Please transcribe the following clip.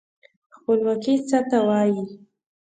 خپلواکي څه ته وايي؟